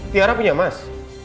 tiara punya mas